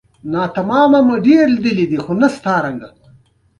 د بدخشان په شهر بزرګ کې د قیمتي ډبرو نښې دي.